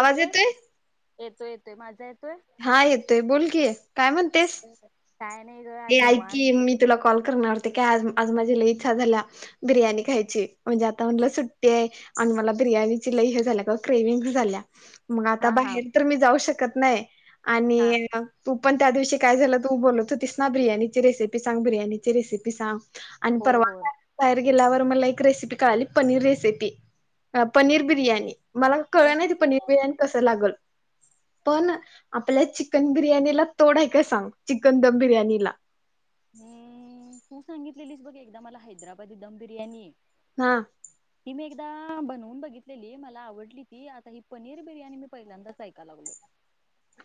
आवाज येतोय? येतो येतोय, माझा माझा ये हा येतोय. बोल की, काय म्हणतेस काय नाही ग ऐ आज ऐक की, निवांत मी तुला कॉल करणार. ते काय आज आज माझी लयं इच्छा झाल्या बिर्याणी खायची. म्हणजे आता म्हणलं सुट्टी आहे आणि मला बिर्याणीची लयं हे झाल्या क ग्रेविंग झाल्या, मग आता हा हा बाहेर तर मी जाऊ शकत नाय. हा आणि अ तू पण त्या दिवशी काय झालं? तू बोलत होतीस ना बिर्याणी ची रेसिपी सांगं, बिर्याणी ची रेसिपी सांग. आणि होय परवा होय [unintelligible] बाहेर गेल्यावर मला एक रेसिपी कळाली, पनीर रेसिपी, अ पनीर बिर्याणी. मला क कळलं नाही ते, पनीर बिर्याणी कसं लागल. पण आपल्या चिकन बिर्याणीला तोड हाय का सांग, चिकन दम बिर्याणी नि -ला. हूं तू सांगितलेलीस बघ, एकदा मला, हैदराबादी दम बिर्याणी. हा. ती मी एकदा बनवून बघितलेली, मला आवडली ती. आता ही पनीर बिर्याणी मी पहिल्यांदाच ऐकाला लागलोयं.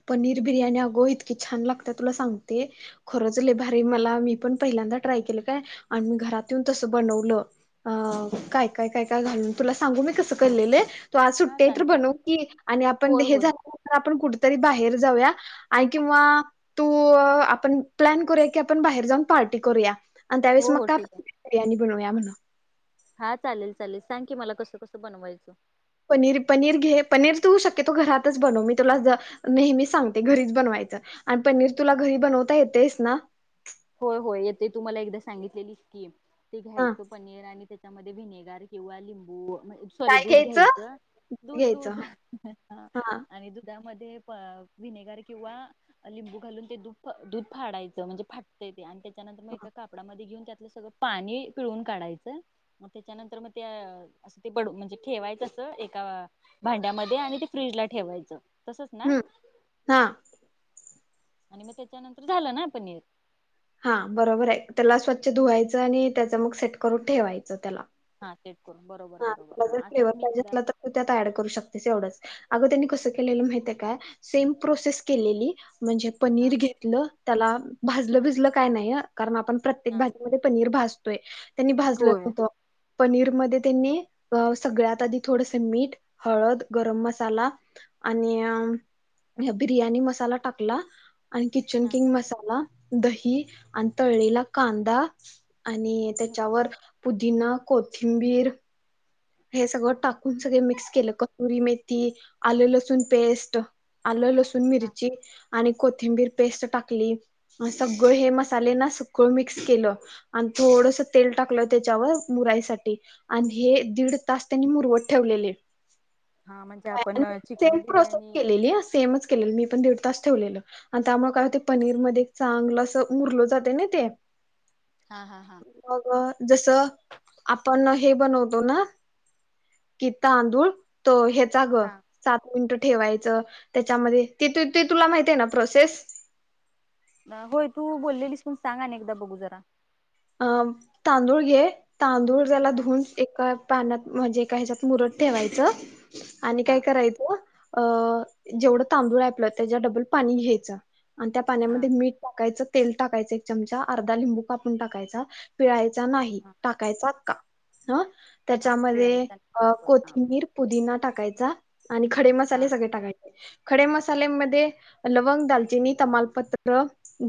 पनीर बिर्याणी अगो इतकी छान लागते, तुला सांगते, खरंच लय भारी मला मी पण पहिल्यांदा ट्राय केलं, काय आणि मी घरात येऊन तसं बनवलं. अअ काय काय काय काय घालून तुला सांगू मी, कस करलेलं. तू आज हा सुट्टी हाय तर सांगते बनव सांग की, आणि आपण होय हे होय झाल्या नंतर आपण कुट बाहेर जाऊया, आणि किंवा आ तू अ आपण प्लॅन करूया की, आपण बाहेर जाऊन पार्टी करूया. आणि त्यावेळेस हो मग हो का [unintelligible] ठीक आहे पण बिर्याणी बनवूया बनव. हा, चालेल, चालेल. सांग की मला, कसं कसं बनवायचं? पनीर, पनीर घे, पनीर तू शक्यतो घरातच बनव मी तुला नेहमीच सांगते, घरीच बनवायचं आणि पनीर तुला घरी बनवता येतेस ना? होय, होय, येते तुम्हाला एकदा सांगितलेली स्कीम- ते हा घ्यायचं पनीर आणि त्याच्या त्यामध्ये व्हिनेगार किंवा लिंबू व सॉरी दूध घ्यायचं. दूध - घ्यायचं दूध हा आणि दुधा मधे विनेगर किंवा लिंबू घालून ते दूध फा -दूध फाडायचं म्हणजे फाट- ते ते आणि त्या त्यानंतर मग एका कापडमध्ये घेऊन त्यात सगळं पाणी पिळून काढायचं. मग त्याच्यानंतर मग ते अस, ते बड, म्हणजे ठेवायचं अस एका भांड्यामध्ये आणि ते फ्रीज ला ठेवायचं. तसच ना? हम्म हा आणि मग त्याच्यानंतर झालं ना, पनीर. हा बरोबर आहे, त्याला स्वच्छ धुवायचं आणि त्याच मग सेट करून ठेवायचं त्याला. हा सेट करून बरोबर हा बरोबर तुला जर असंच फ्लेवर मी पाहिजे एकदा असला, तर तू त्यात ऍड करू शकतेस एवढंच अग त्यांनी कस केलेलं माहीतेय काय? सेम प्रोसेस केलेली म्हणजे हा पनीर घेतलं, त्याला भाजलं भिजलं काय नाही हा कारण आपण प्रत्येक हा भाजी मध्ये पनीर भाज बे [unintelligible] त्यांनी भाजलं होय. नव्हतं. पनीर मध्ये त्यांनी सगळ्यात आधी थोडस मीठ, हळद, गरम मसाला आणि बिर्याणी मसाला टाकला, आणि किचन किंग मसाला, दही, आणि तळलेला कांदा, आणि त्याच्यावर, पुदीना, कोथिंबीर, हे सगळं टाकून सग मिक्स केलं, कसुरी मेथी, आलं लसूण पेस्ट, आलं लसूण मिरची आणि कोथिंबीर पेस्ट टाकली, सगळं हे मसाले ना सगळं मिक्स केलं आणि थोडस तेल टाकलं त्याच्यावर मुराईसाठी आणि हे दीड तास त्यांनी मुरवत ठेवलेले. हा म्हणजे आपण सेम चिकन प्रोसेस बिर्याणी केलेली सेमच केलेली मी पण, तसंच ठेवलेलं आणि त्यामुळे काय होते पनीर मध्ये चांगलं अस उरल जाते ना ते हा हा हा. मग जस आपण हे बनवतो ना कि तांदूळ त हे सात मिनिट ठेवायच, त्याच्यामधे ते तुला माहित आहे ना प्रोसेस? होय, तू बोललेलीस पण सांग अने एकदा बघू जरा. अ तांदूळ घे तांदूळ ज्याला हा धुन एका पानात म्हणजे एका हेज्यात मुरत ठेवायचं. आणि काय हा करायचं अ जेवढं तांदूळ आपलं त्याच्या डबल पाणी घ्यायचं. आणि त्या हा पाण्यामध्ये मीठ टाकायचं तेल टाकायचं एक चमचा, आर्धा लिंबू कापून टाक यचा, पीळाय चा नाही. हा टाकायचा आक्का. अ हा त्याच्यामध्ये पिळायचा नाही अ बरोबर हा कोथिंबीर पुदीना टाकायचा. आणि खडे मसाले हा सगळे टाकायचे. खडे मसाल्यामध्ये लवंग, दालचिनी, तमालपत्र,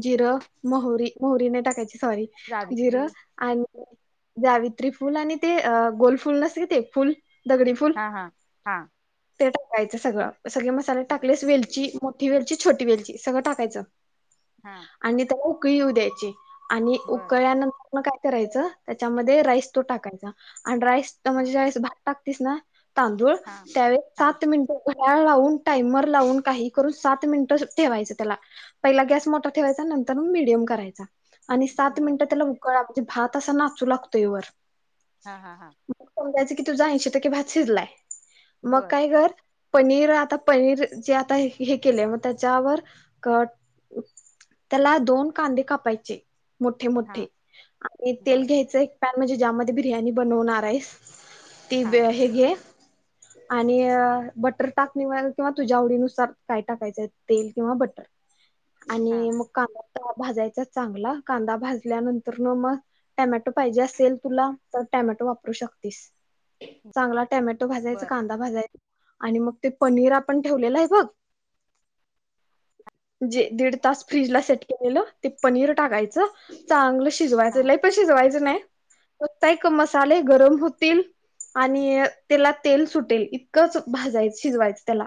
जिरं, मोहरी, मोहरी नाही टाकायची सॉरी. जिरं जावित्री आणि जावित्री फुल आणि ते अ गोल फुल नसते का ते फुल दगडी फुल हा हा, हा. ते टाकायचं सगळं. सगळे मसाले बर टाकलेस वेलची मोठी वेलची छोटी वेलची सगळं टाकायचं. हा आणि त्याला उकळी येऊ द्यायची. आणि बर उप म काय करायचं त्याच्यामध्ये राईस तो टाकायचा. आणि राईस तर हा म्हणजे ज्यावेळेस भात टाकतीस ना! तांदूळ हा त्यावेळेस हा सात मिनिटं लाऊन टाईमर लावून काही करून सात मिनटं ठेवायचं त्याला पहिला ग्यास मोठा ठेवायचा नंतरमीडीयम करायचा आणि बर मिनट त्याला उकळ भात असा नाचू लागतोय वर. हा हा हा. तूजा ऐशी टक्के भात शिजलाय. मग बर काय कर? पनीर आता पनीर जे आता हे केले मग त्याच्यावर त्याला दोन कांदे कापायचे. मोठे हा मोठे आणि तेल बर घ्यायच एक पॅन म्हणजे ज्यामध्ये बिर्याणी बनवणारेस.. ती हा हे घे आणि.. अ.. बटर टाकणी किंवा तुझ्या आवडीनुसार काय टाकायचंय तेल किंवा बटर. आणि हा मग का भाजायचा चांगला. कांदा भाजल्यानंतर न मग टॅमॅटो पाहिजे असेल तुला तर टॅमॅटो वापरू शकतेस. चांगला टॅमॅटो भाजायच बर कांदा भाजायचा. आणि मग ते पनीर आपण ठेवलेलं आहे बघ जे दीड तास फ्रीजला सेट केलेलं ते पनीर टाकायचं. च चांगल. हा शिज िवायंय पशी जवायचं नाही. एक मसाले गरम होतील आणि त्याला तेल सुटेल इतकंच भाजायच शिजवायचं त्याला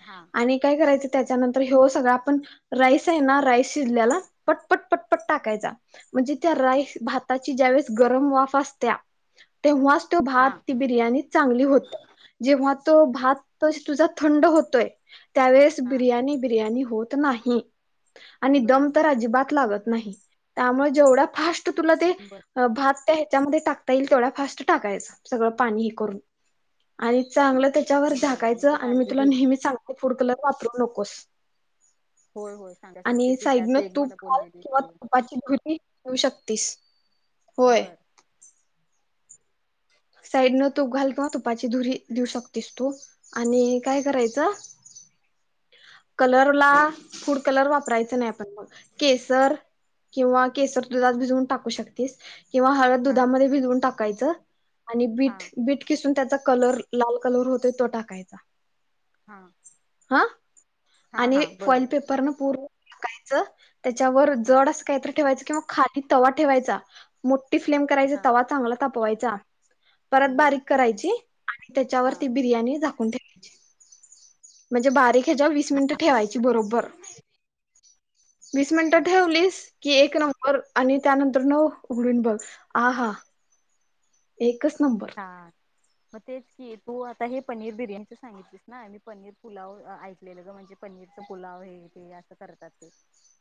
हा आणि काय करायचं त्याच्यानंतर हे सगळ आपण राईस आहे ना राईस शिजलेला पण पट पटपट टाकायचा म्हणजे त्या राईस भाताची ज्यावेेळेस गरम वाफ असत्या तेव्हा तो हा भात ती बिर्याणी चांगली होत जेव्हा तो भात त तुझा थंड होतोय त्यावेळेस हा बिर्याणी बिर्याणी होत नाही आणि बर दम तर बर अजिबात नाही त्यामुळे जेवा फा तुला ते बर भात ह्याच्यामध्ये टाकता येईल तेवढा फास् टाकायच सगळं पाणी हे करून आणि चांगलं त्याच्यावर बर बर झााकायचं ती आणि मी काळजी तुला घेईन. नेहमी सांगतो फूड कलर वापरू नकोस होय होय सांगायच असते आणि साईडनं पिटाचं एक तूप मला बोललेली किंवा ते तुपाची भुी [unintelligible] ठेऊ शकतेस होय बर साईड न तूप घाल किंवा तुपाची धुरी देऊ शकतेस तू आणि काय करायचं कलरला फूड कलर वापरायच नाही आपण म केसर किंवा केसर दुधात भिजवून टाकू शकतेस किंवा हळद हा दुधामध्ये भिजवून टाकायचं आणि हा बीट बीट किसून त्याचा कलर लाल कलर होतय तो टाकायचा हा हा हा आणि हा बर फॉईल बर पेपरन पूर्व त कायचं त्याच्यावर हा जड असं काहीतरी ठेवायचं किंवा खाली तवा ठेवायचा मोट टी फ्लेम करायचे हा तवा चांगला ताप पोहेचा. परत बर बारीक करायची आणि त्याच्यावर हा ती बिर्याणी झाक म्हणजे बारीक ह्याच्याव वीस मिनट ठेवायची बरोबर. वीस मिनिटं बर ठेवलीस? कि एक नंबर आणि त्यानंतरन ऊ उघडून बघ आहा. एकच नंबर म तेच कि तू आता हे पनीर बिर्याणीच सांगितलीस ना मी पनीर पुलाव अ ऐकलेलं ग म्हणजे पनीरच पुलाव हे ते अस करतात ते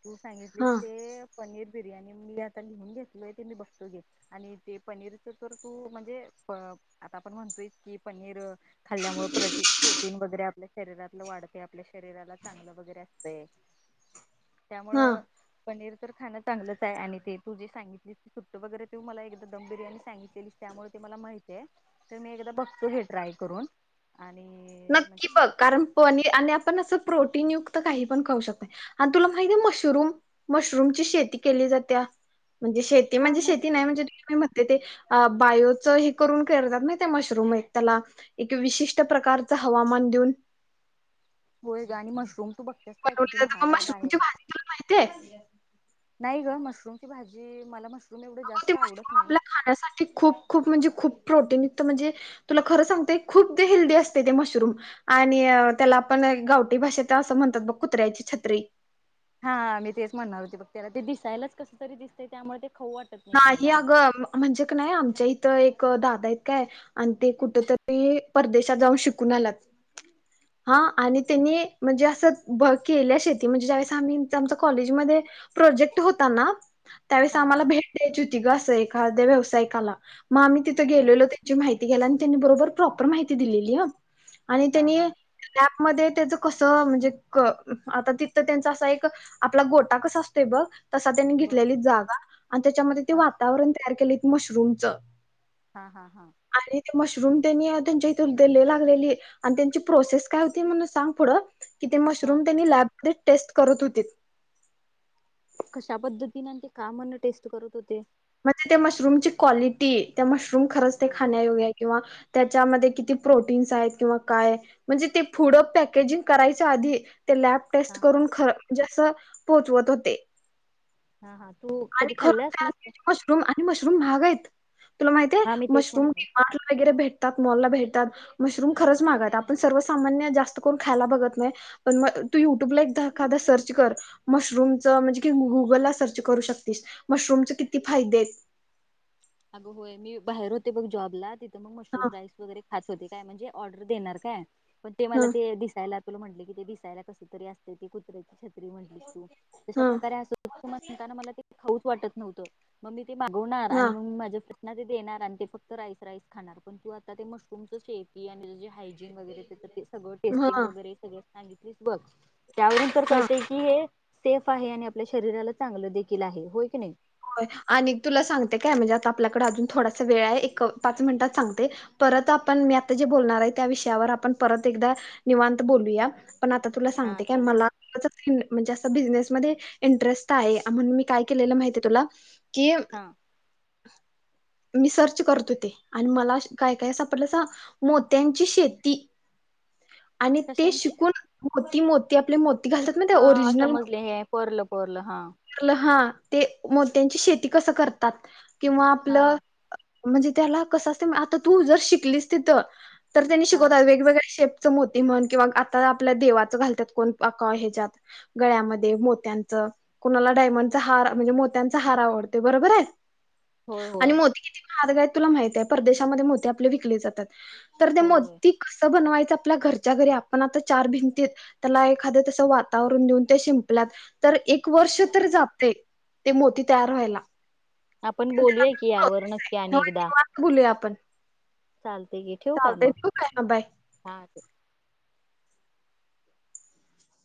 तू सांगितलीस हा ते पनीर बिर्याणी मी आता लिहून घेतलोय ते मी बघतो घे आणि ते पनीरच तर तू म्ह जे प आता आपण म्हणतोयच की पनीर अं खाल्ल्यामुळं प्रटी प्रोटीन वगैरे आपल शरीरातलं वाढतंय आपल्या शरीराला चांगलं वगैरे असतय. हा त्यामुळं पनीर तर खाणं चांगलंच हाय आणि ते तू जी सांगितलीस सुट्ट वगैरे तू मला एकदा दम बिर्याणी सांगितलेलीस त्यामुळं ते मला माहितीय ते मी एकदा बघतो घे ट्राय करून. आणि नक्की म्हणजे बघ सांग कारण पनी आणि आपण अस प्रोटीन युक त काही पण खऊ शकतंय आणि तुला माहित्याय मशरूम मशरूमची शेती केली जात्या म्हणजे शेती हा म्हणजे शेती नाही मशरूम म्हणजे [unintelligible] म्हणते ते अ बायोचं हे करून करत्यात महित्याय मशरूम हे त्याला एक विशिष्ट प्रकार च हवामान द्वून होय ग आणि मशरूम तू बघतेस काय बनवली किती जाते महाग म आहे मशरूम बाहेर ची भाजी तुला माहितेय? नाही ग मशरूम ची भाजी मला मश आज ते मशरूम आपल्या खाण्यासाठी खूप खूप म्हणजे खूप प्रोटीन युक्त म्हणजे तुला खरं सांगते खूप ते हेल्दी असतय ते मशरूम आणि अ त्याला आपण गावटी भाषेत असं म्हणतात बघ कुत्र्याची छत्री. हा! मी तेच म्हणार होते बघ त्याला ते दिसायलाच कस तरी दिसतय त्यामुळे ते खाऊ वाटत ग नाही मला आग म म्हणजे कणी आमच्या इथं एक क दादा इत काय आण ते कुठ तरी परदेशात जाऊन शिकून आल्यात हा आणि त्यनी म्हणजे असं भ केल्या शेती म्हणजे ज्यावेस आम्ही म च आमचं कॉलेजमध्ये प्रोजेक्ट होता ना त्यावेळेस हा आम्हाला हा भेट द्यूति ग अस एखाद्या व्यावसायिकाला म आम्ही तिथं बर गेलेलो त्यांची माहि ते गेल नी त्यांनी बरोबर प्रॉपर माहिती दिलेली हं आणि हा त्यनी हा मध्ये त्याच कस म्हणजे क आता तिथं त्यांच असा एक आपला गोटा कसा असतोय बघ तसा त्यांनी बर घेतल्यालीत जागा त्यच्यामध्ये ते हा वातावरण यार केलीत मशरूमच हा हा हा. मशरूम त्यनी त्यांच्या इथ लई लागलेली आणि त्यांची प्रोसेस काय होती म्हण सांग पुढं कि ते हा मशरूम त्यांनी ल्याब ते टेस्ट करत होतीत कश्या पद्धतीने ते का म्हण टेस्ट करत होते म्हणजे त्या मशरूम ची क्वालिटी, त्या मशरूम रूम खरच हा ते खाण्यायोग किंवा त्याच्यामध्ये किती प्रोटीन्स आहेत किंवा काय म्हणजे ते फुढं पॅकेजिंग करायच्या आधी ते लॅब टेस्ट हा हा करून खर म्हणजे असं पोहोचवत होते हा हा तू कधी आणि खाल्लास खर मस्त मशरूम आणि मशरूम महागाईत तुला माहतीये हा मी तेच मशरूम डी म्हणतो मार्टला वगैरे भेटतात मॉला भेटत मशरूम खर्च महागायत आपण सर्वसामान्य जास्त करून खायला बघत नाय पण तू युट्युब ला एकदा सर्च कर मशरूम च किंग गुगल ला सर्च करू श मशरूमचे किती फायदे आहेत अगं होय मी बाहेर होते बघ जॉबला मग हा मशरूम राईस वगैरे खात होते काय म्हणजे ऑर्डर देणार काय मग ते मला हा ते दिसायला म्हटले कि ते दिसायला कस तरी असतय ते कुत्र्याची म्हणालीस तू तशा हा प्रकारे अस म्हणताना मला ते खऊच वाटत नव्हतं मग मी ते मागवणार आणि ते देणार आणि ते फक्त राईस राईस खाणार पण तू आता ते मशरूमच शेती आणि जे हायजीन वगैरे तर ते सगळ हा टेस्टिंग हा वगैरे सगळं सांगितलीस बघ त्यावरून तर हा. कळतय की हे सेफ आहे आणि आपल्या शरीराला चांगलं देखील आहे होय की नाही होय आणि तुला सांगते काय म्हणजे आता आपल्याकडे अजून थोडासा वेळ आहे एक पाच मिनिटात सांगते परत आपण मी आता जे बोलणार आहे त्या विषयावर आपण परत एकदा निवांत बोलूया पण आता तुला हा सांगते काय चालेल मला बिन म्हणजे अस बिजनेस मध्ये इन्टरेस्टं आहे, आ- म्हणुन मी काय केलेले माहीतेय- तुला- कि- हा मी सर्च करत होते, आणि मला काय -काय सापडलं सांग! मोत्यांची शेती. आणि ते शिकून मोती मोत- ते आपल मो- हां समजले हे पर्ल पर्ल हां- तें- मोत्यांची शेती कसं करतात. किंवा आपलं- हा म्हणजे त्याला कसं असतय, आता तू जर शिकलीस तिथं- तर त्यांनी हा शिकवतात वेगवेगळे शेप- ते मोती म्हण किंवा आपलं -आपलं देवाच घालत्यात कोण आका हेज्यात गळ्यामध्ये, मोत्याचं कोणाला डायमंडच हार म्हणजे मो- -त्यांचा हार आवडते बरोबर आहे. होय आणि होय. मोती किती- आगं तुला माहितेय परदेशामध्ये मोती आपल विकले जातात- तर ते होय मोतीं कसं बनवायचं- आपला घरच्या घरी आपण आता चार भिंतीत त्याला एखाद तस वातावरण देऊन ते शिंपलात- तर एक वर्ष तर जातय. ते मोती तयार व्हायला- आपण पण त्याला बोलूया पण की यावर प्रोसेस नक्की आहे आणि होय एकदा. निवांत बोलूया आपण चालतेय की, ठेवु काय चालतंय मग. ठेवू काय? हा, बाय. हां